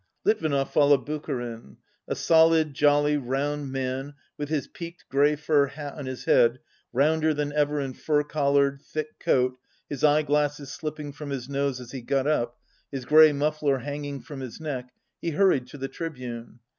Litvinov followed Bucharin. A solid, jolly, round man, with his peaked grey fur hat on his 58 head, rounder than ever in fur collared, thick coat, his eye glasses slipping from his nose as he got up, his grey muffler hanging from his neck, he hurried to the tribune.